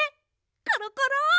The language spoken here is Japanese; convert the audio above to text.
コロコロ！